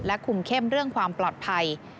คุมเข้มเรื่องความปลอดภัย